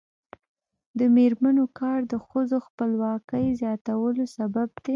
د میرمنو کار د ښځو خپلواکۍ زیاتولو سبب دی.